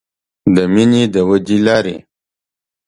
د مینې د ودې لارې